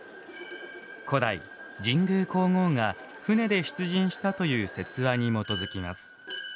古代、神功皇后が船で出陣したという説話に基づきます。